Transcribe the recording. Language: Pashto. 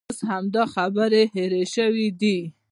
اوس همدا خبرې هېرې شوې دي.